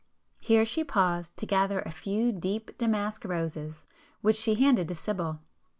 Here she paused to gather a few deep damask roses, which she handed to Sibyl.